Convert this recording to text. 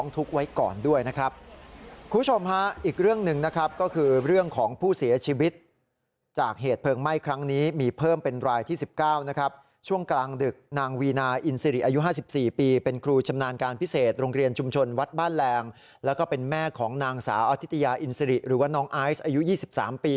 ต้องติดให้กับหลานแล้วก็พ่อพ่อของน้องนะครับ